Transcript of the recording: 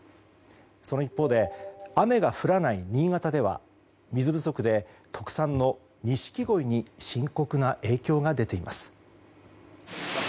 その一方で雨が降らない新潟では水不足で、特産のニシキゴイに深刻な影響が出ています。